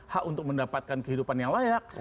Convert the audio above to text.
hak untuk mendapatkan kehidupan yang layak